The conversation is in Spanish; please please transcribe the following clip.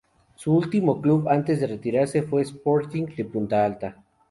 Su último club antes de retirarse fue Sporting de Punta Alta.